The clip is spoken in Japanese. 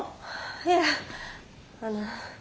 いやあの。